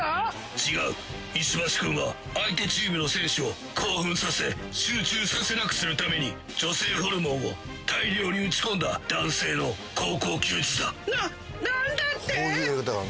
違う石橋君は相手チームの選手を興奮させ集中させなくするために女性ホルモンを大量に打ち込んだ男性の高校球児だななんだって！？